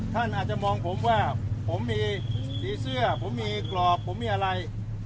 ท่านอาจจะมองผมว่าผมมีสีเสื้อผมมีกรอบผมมีอะไร